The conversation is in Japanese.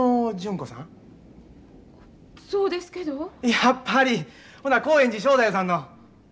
やっぱり！ほな興園寺正太夫さんの？